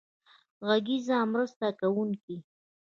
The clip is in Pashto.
غږیز مرسته کوونکی.